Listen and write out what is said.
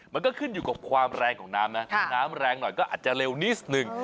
มันก็ขึ้นอยู่กับความแรงของน้ำนะถ้าน้ำแรงหน่อยก็อาจจะเร็วนิดนึง